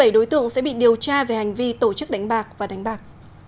hai mươi bảy đối tượng sẽ bị điều tra về hành vi tổ chức đánh bạc và đánh bạc